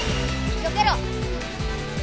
よけろ！